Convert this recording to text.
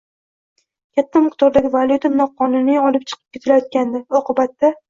Katta miqdordagi valyuta noqonuniy olib chiqib ketilayotgandi, oqibatda...ng